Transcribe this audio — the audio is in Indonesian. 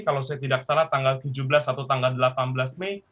kalau saya tidak salah tanggal tujuh belas atau tanggal delapan belas mei